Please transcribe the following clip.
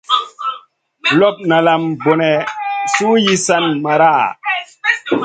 Lop nalam bone su yi san maraʼha?